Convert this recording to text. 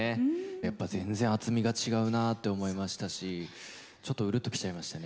やっぱ全然厚みが違うなって思いましたしちょっとうるっときちゃいましたね